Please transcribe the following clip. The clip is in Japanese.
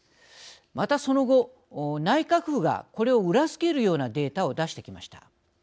また、その後、内閣府がこれを裏付けるようなデータを出してきました。